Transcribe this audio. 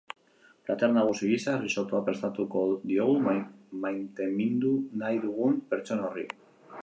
Plater nagusi gisa, risottoa prestatuko diogu maintemindu nahi dugun pertsona horri.